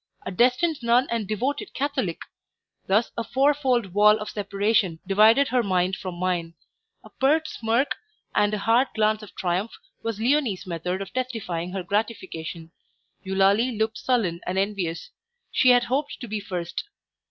a destined nun and devoted Catholic: thus a four fold wall of separation divided her mind from mine. A pert smirk, and a hard glance of triumph, was Leonie's method of testifying her gratification; Eulalie looked sullen and envious she had hoped to be first.